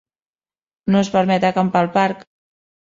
No es permet acampar al parc.